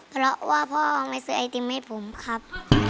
เพราะว่าพ่อไม่ซื้อไอติมให้ผมครับ